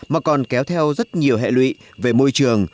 mà còn kéo theo rất nhiều hệ lụy về môi trường